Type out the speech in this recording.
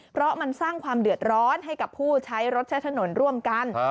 เพราะมันสร้างความเดือดร้อนให้กับผู้ใช้รถใช้ถนนร่วมกัน